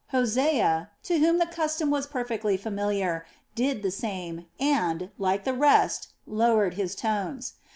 Hosea, to whom the custom was perfectly familiar, did the same and, like the rest, lowered his tones.